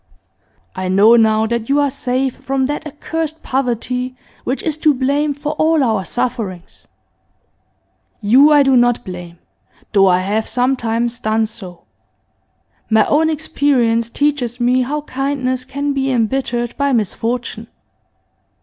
I know now that you are safe from that accursed poverty which is to blame for all our sufferings. You I do not blame, though I have sometimes done so. My own experience teaches me how kindness can be embittered by misfortune.